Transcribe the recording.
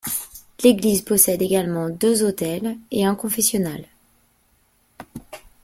L'église possède également deux autels et un confessionnal.